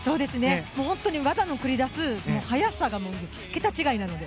本当に技の繰り出す速さが桁違いなので。